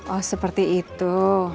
oh seperti itu